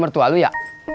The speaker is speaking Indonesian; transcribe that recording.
mertua lo ya